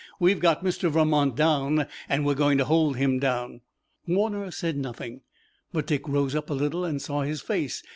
We've got Mr. Vermont down, and we're going to hold him down." Warner said nothing, but Dick rose up a little and saw his face.